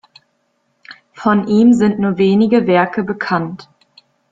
Von ihm sind nur wenige Werke bekannt.